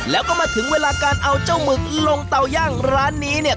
แล้วก็มาถึงเวลาการเอาเจ้าหมึกลงเตาย่างร้านนี้เนี่ย